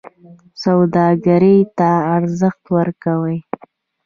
سوداګرۍ ته ارزښت ورکوي.